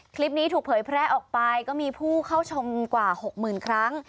คลิปนี้ถูกเผยแพร่ออกไปก็มีผู้เข้าชมกว่า๖๐๐๐ครั้ง